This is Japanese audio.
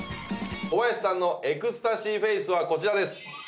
小林さんのエクスタシーフェイスはこちらです。